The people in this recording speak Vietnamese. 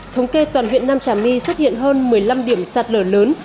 thống kê toàn huyện nam trà my xuất hiện hơn một mươi năm điểm sạt lở lớn